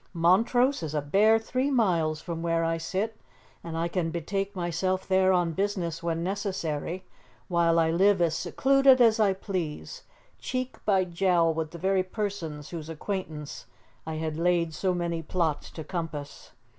Montrose is a bare three miles from where I sit, and I can betake myself there on business when necessary, while I live as secluded as I please, cheek by jowl with the very persons whose acquaintance I had laid so many plots to compass.